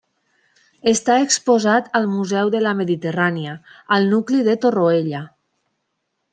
Està exposat al Museu de la Mediterrània al nucli de Torroella.